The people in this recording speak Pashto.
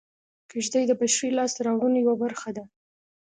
کېږدۍ د بشري لاسته راوړنو یوه برخه ده